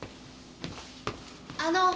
あの。